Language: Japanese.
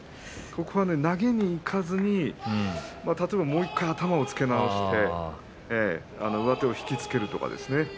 ここは投げにいかずに例えばもう１回頭をつけ直すとか上手を引き付けるとか。